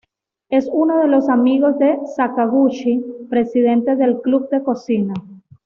Es uno de los amigos de Sakaguchi, presidente del club de cocina.